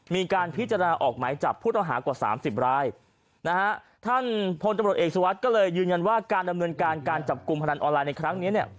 มีการพิจารณาออกหมายจับผู้ต้องหากว่าสามสิบรายนะฮะท่านพลตำรวจเอกสุวัสดิ์ก็เลยยืนยันว่าการดำเนินการการจับกลุ่มพนันออนไลน์ในครั้งนี้เนี่ย